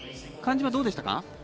感じはどうでしたか？